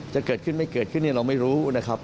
จะเกิดขึ้นไม่เกิดขึ้นเนี่ยเราไม่รู้นะครับ